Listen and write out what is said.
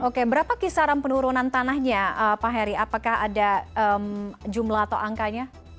oke berapa kisaran penurunan tanahnya pak heri apakah ada jumlah atau angkanya